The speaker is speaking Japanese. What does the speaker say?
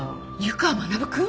湯川学君！？